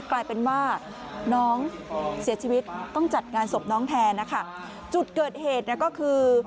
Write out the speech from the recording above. กลายเป็นว่าน้องเสียชีวิตต้องจัดงานศพน้องแทนนะคะจุดเกิดเหตุเนี่ยก็คือ